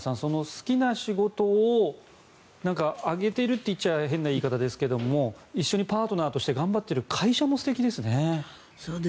好きな仕事をあげているといっては変な言い方ですが一緒にパートナーとして頑張っている会社も素敵ですね。